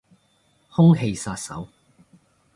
空氣殺手